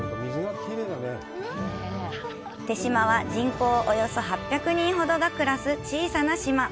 豊島は、人口およそ８００人ほどが暮らす小さな島。